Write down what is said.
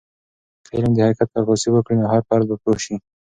که علم د حقیقت عکاسي وکړي، نو هر فرد به پوه سي.